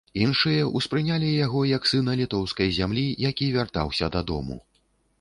Іншыя ўспрынялі яго як сына літоўскай зямлі, які вяртаўся дадому.